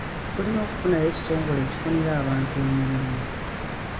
Tulina okufunayo ekitongole ekifunira abantu emirimu.